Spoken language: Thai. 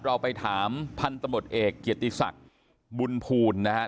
เราไปถามพันธมตเอกเกียรติศักดิ์บุญภูลนะครับ